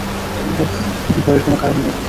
বোহ, ভয়ের কোনো কারণ নেই।